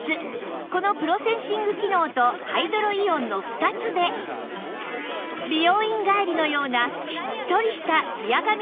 このプロセンシング機能とハイドロイオンの２つで美容院帰りのようなしっとりしたツヤ髪に仕上がるんです